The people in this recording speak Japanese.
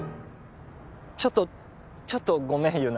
ちょっとちょっとごめん優菜